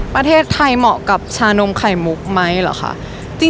ประเทศไทยเหมาะกับชานมไขมุกไหมหรือเปล่าค่ะ